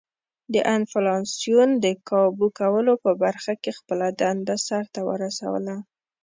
د انفلاسیون د کابو کولو په برخه کې خپله دنده سر ته ورسوله.